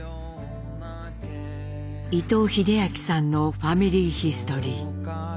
伊藤英明さんの「ファミリーヒストリー」。